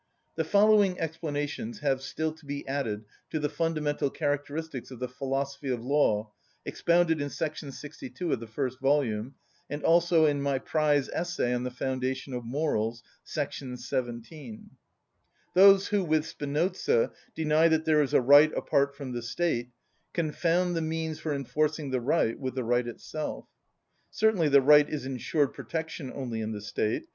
The following explanations have still to be added to the fundamental characteristics of the philosophy of law expounded in § 62 of the first volume, and also in my prize essay on the foundation of morals, § 17. Those who, with Spinoza, deny that there is a right apart from the State, confound the means for enforcing the right with the right itself. Certainly the right is insured protection only in the State.